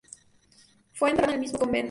Fue enterrada en el mismo convento.